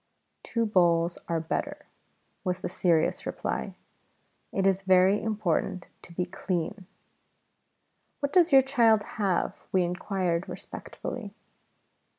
"Two bowls are better," was the serious reply; "it is very important to be clean." "What does your child have?" we inquired respectfully.